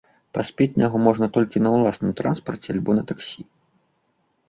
Паспець на яго можна толькі на ўласным транспарце альбо на таксі.